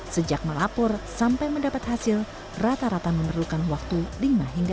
sejak melapor sampai mendapat hasil rata rata memerlukan waktu lima hingga tiga hari